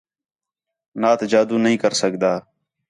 نات جادو نہیں کر سڳدا